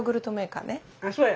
あそうや。